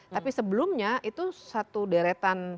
tapi sebelumnya itu satu deretan